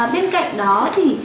bên cạnh đó thì